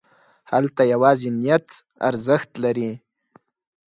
هلته یوازې نیت ارزښت لري.